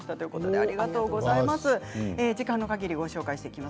ありがとうございます。